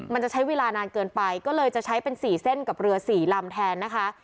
มันจะใช้เวลานานเกินไปก็เลยจะใช้เป็น๔เส้นกับเรือ๔ลำแทนนะคะ